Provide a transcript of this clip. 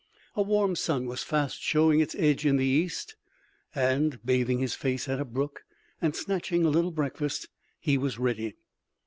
A warm sun was fast showing its edge in the east, and, bathing his face at a brook and snatching a little breakfast, he was ready.